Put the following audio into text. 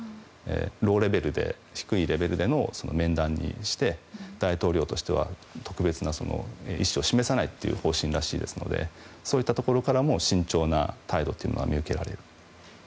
ローレベルで低いレベルでの面談にして、大統領としては特別な意思を示さないという方針らしいですのでそういったところからも慎重な態度というのも見受けられる。